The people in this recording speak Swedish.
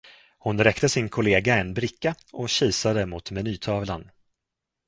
Hon räckte sin kollega en bricka och kisade mot menytavlan.